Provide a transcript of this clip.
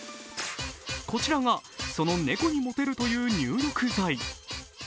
こちらがその猫にモテるという入浴剤。